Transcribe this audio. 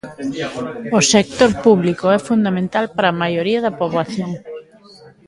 O sector público é fundamental para a maioría da poboación.